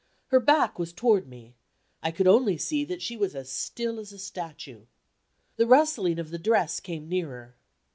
Her back was toward me; I could only see that she was as still as a statue. The rustling of the dress came nearer.